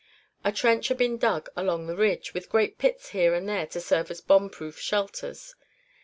A trench had been dug along the ridge, with great pits here and there to serve as bomb proof shelters.